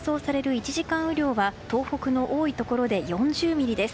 １時間雨量は東北の多いところで４０ミリです。